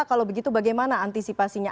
kalau begitu bagaimana antisipasinya